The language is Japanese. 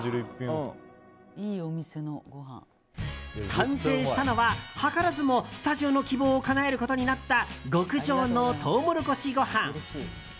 完成したのは図らずもスタジオの希望をかなえることになった極上のトウモロコシご飯。